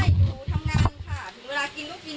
ไม่ง่ายอยู่ทำงานค่าถึงเวลากินก็กิน